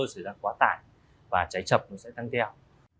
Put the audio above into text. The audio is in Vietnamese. sẽ là quá tải và cháy chập cũng sẽ tăng theo